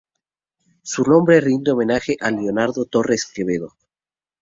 Su nombre rinde homenaje a Leonardo Torres Quevedo.